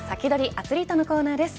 アツリートのコーナーです。